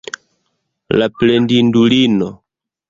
La plendindulino!